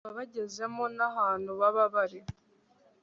baba bagezemo nahantu baba bari